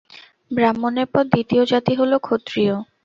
ব্রাহ্মণের পর দ্বিতীয় জাতি হল ক্ষত্রিয়।